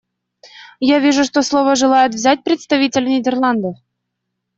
Я вижу, что слово желает взять представитель Нидерландов.